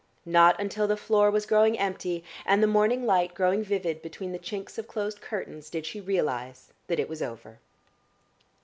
Not until the floor was growing empty and the morning light growing vivid between the chinks of closed curtains did she realise that it was over.